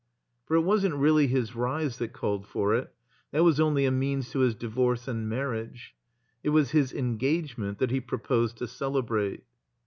For it wasn't really his rise that called for it. That was only a means to his divorce and marriage. It was his engagement that he proposed to celebrate.